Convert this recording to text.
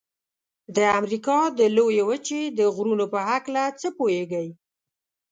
د امریکا د لویې وچې د غرونو په هکله څه پوهیږئ؟